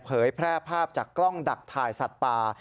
เผยแพร่ภาพจากกล้องดักถ่ายสัตว์ป่า